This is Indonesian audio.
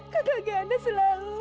kakak giana selalu